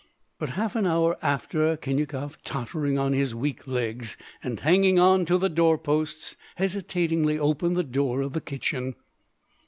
But half an hour after Khinyakov, tottering on his weak legs and hanging on to the doorposts, hesitatingly opened the door of the kitchen.